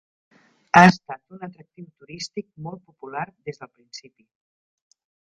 Ha estat un atractiu turístic molt popular des del principi.